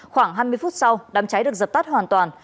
khoảng hai mươi phút sau đám cháy được dập tắt hoàn toàn